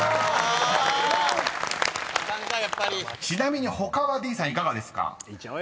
［ちなみに他はディーンさんいかがですか？］